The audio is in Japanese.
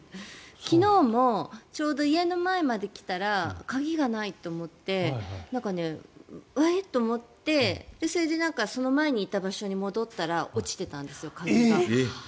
昨日もちょうど家の前まで来たら鍵がないと思ってえっ？と思ってそれでその前にいた場所に戻ったら落ちていたんですよ、鍵が。